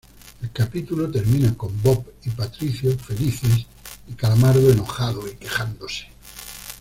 El capítulo termina con Bob y Patricio felices y Calamardo enojado y quejándose.